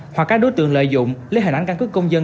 hoặc các đối tượng lợi dụng lấy hình ảnh căn cứ công dân